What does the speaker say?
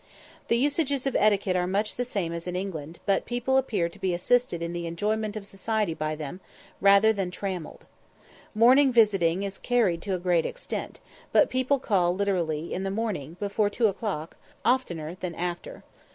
The usages of etiquette are much the same as in England, but people appeared to be assisted in the enjoyment of society by them rather than trammeled. Morning visiting is carried to a great extent, but people call literally in the morning, before two o'clock oftener than after.